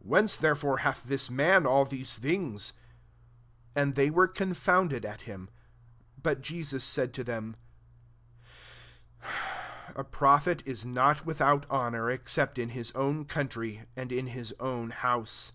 Whence therefore hath this man all these things ?" 57 And they were confounded at him. But Jesus said to them, *^A prophet^ is not without honour, except in his own country, and in his own house."